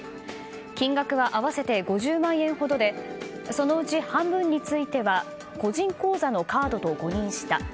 金額は合わせて５０万円ほどでそのうち半分については個人口座のカードと誤認した。